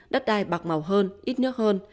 đất đai bạc màu hơn ít nước hơn